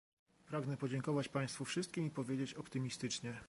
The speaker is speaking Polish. Pragnę podziękować państwu wszystkim i powiedzieć optymistycznie